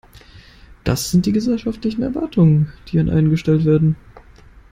Das sind die gesellschaftlichen Erwartungen, die an einen gestellt werden.